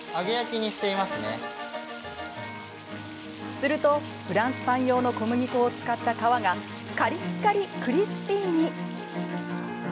すると、フランスパン用の小麦粉を使った皮がカリッカリ、クリスピーに。